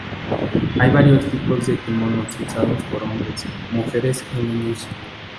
Hay varios tipos de kimonos usados por hombres, mujeres y niños.